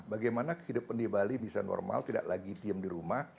bagaimana kehidupan di bali bisa normal tidak lagi diem di rumah